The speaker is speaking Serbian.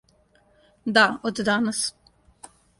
Да, од данас.